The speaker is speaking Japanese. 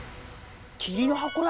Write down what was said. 桐の箱だ！